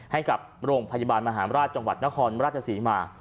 ให้กับโรงพยาบาลมหาราชจังหวัดนครราชศรีมา